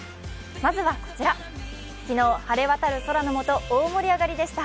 まずはこちら、昨日晴れ渡る空のもと、大盛り上がりでした。